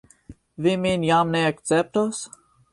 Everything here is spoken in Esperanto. Vi min jam ne akceptos?